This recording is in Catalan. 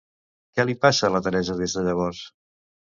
Què li passa a la Teresa des de llavors?